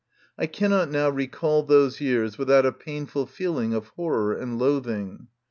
I cannot now recall those years without a painful feeling of horror and loathing.